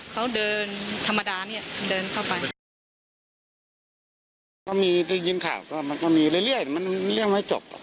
เขาเดินธรรมดาเนี่ยเดินเข้าไปก็มีได้ยินข่าวก็มันก็มีเรื่อยเรื่อยมันเรื่องไม่จบหรอก